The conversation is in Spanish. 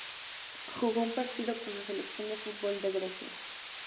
Jugó un partido con la selección de fútbol de Grecia.